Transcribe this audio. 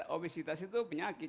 obesitas itu penyakit